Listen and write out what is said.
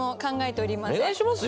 お願いしますよ